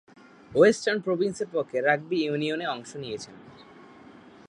Western প্রভিন্সের পক্ষে rugby ইউনিয়নে অংশ নিয়েছেন।